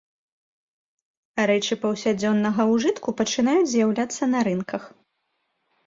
Рэчы паўсядзённага ўжытку пачынаюць з'яўляцца на рынках.